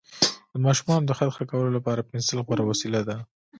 د ماشومانو د خط ښه کولو لپاره پنسل غوره وسیله ده.